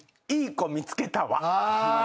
「いい子見つけたわ」